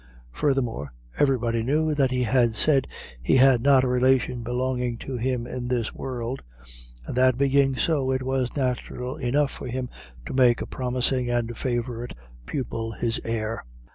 Furthermore, everybody knew that he had said he had not a relation belonging to him in this world; and that being so, it was natural enough for him to make a promising and favorite pupil his heir.